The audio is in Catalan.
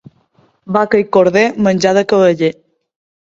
Vaca i corder, menjar de cavaller.